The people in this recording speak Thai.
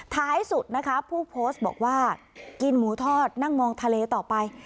ท้ายสุดนะคะผู้โพสต์บอกว่ากินหมูทอดนั่งมองทะเลต่อไป